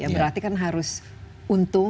berarti kan harus untung